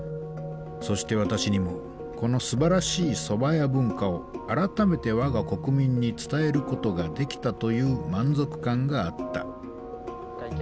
そして私にもこのすばらしい蕎麦屋文化を改めて我が国民に伝えることができたという満足感があったお会計